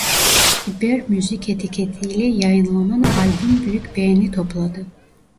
İber Müzik etiketiyle yayınlanan albüm büyük beğeni topladı.